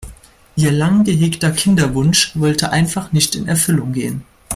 Ihr lang gehegter Kinderwunsch wollte einfach nicht in Erfüllung gehen.